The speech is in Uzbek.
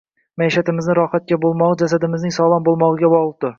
Maishatimizni rohatda bo’lmog’i jasadimizning sog’lom bo’lmog’iga bog’lidur